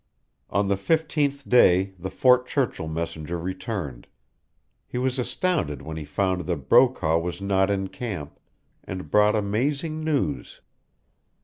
On the fifteenth day the Fort Churchill messenger returned. He was astounded when he found that Brokaw was not in camp, and brought amazing news.